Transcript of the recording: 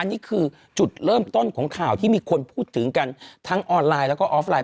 นี่คือจุดเริ่มต้นของข่าวที่มีคนพูดถึงกันทั้งออนไลน์แล้วก็ออฟไลน